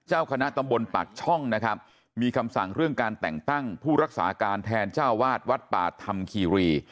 เจ้าคณะตำบลปากช่องนะครับมีคำสั่งเรื่องการแต่งตั้งผู้รักษาการแทนเจ้าวาดวัดป่าธรรมคีรี